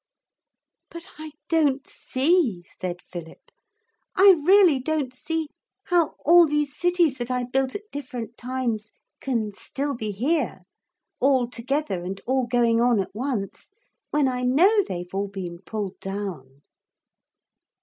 'But I don't see,' said Philip, 'I really don't see how all these cities that I built at different times can still be here, all together and all going on at once, when I know they've all been pulled down.'